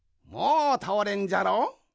もうたおれんじゃろ？